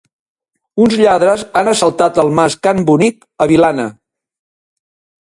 Uns lladres han assaltat el mas Can Bonic a Vilanna.